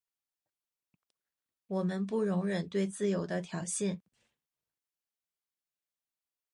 我们不容忍对自由的挑衅。